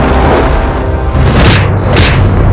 mereka baru tidak getah